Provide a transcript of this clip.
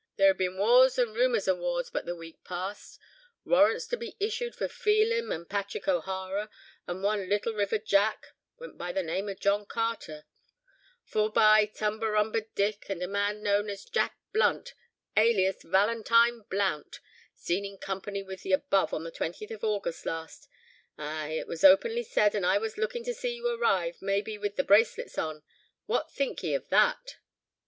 There have been wars, and rumours o' wars, but the week past; warrants to be issued for Phelim and Patrick O'Hara, and one Little River Jack (went by the name of John Carter), forbye 'Tumberumba Dick,' and a man known as Jack Blunt (alias Valentine Blount) seen in company with the above on the 20th of August last. Ay! it was openly said, and I was lookin' to see you arrive, maybe with the bracelets on. What think ye of that?"